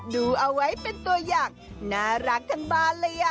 ดูเอาไว้เป็นตัวอย่างน่ารักทั้งบ้านเลย